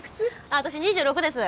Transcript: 私２６です。